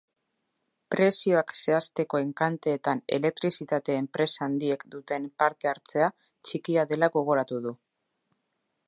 Prezioak zehazteko enkanteetan elektrizitate enpresa handiek duten parte hartzea txikia dela gogoratu du.